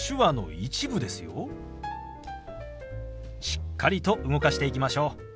しっかりと動かしていきましょう。